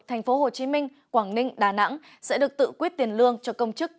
tp hcm quảng ninh đà nẵng sẽ được tự quyết tiền lương cho công chức